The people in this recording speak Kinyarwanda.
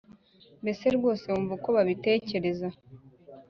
mbese rwose wumva uko babitekereza